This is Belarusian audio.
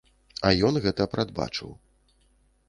А ён гэта прадбачыў.